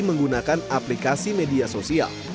menggunakan aplikasi media sosial